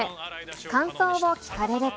感想を聞かれると。